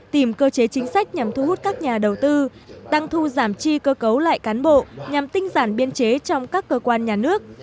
tìm cơ chế chính sách nhằm thu hút các nhà đầu tư tăng thu giảm chi cơ cấu lại cán bộ nhằm tinh giản biên chế trong các cơ quan nhà nước